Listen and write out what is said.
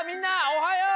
おはよう！